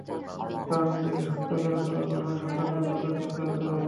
কারণ নিজেকে সুস্থ করে তোলার পাশাপাশি সন্তানকেও বুকের দুধ খাওয়াতে হয়।